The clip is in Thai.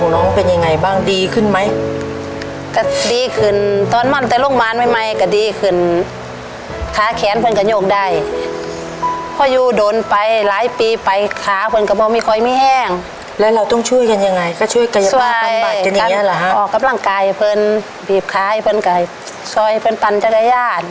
แล้วเราต้องช่วยคู่ยังไงก็ช่วยกัยบ้าปันบัตรอย่างนี้อ่ะเหรอหะ